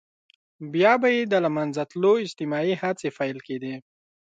بيا به يې د له منځه تلو اجتماعي هڅې پيل کېدې.